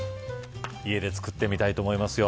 家で作ってみたいと思いますよ。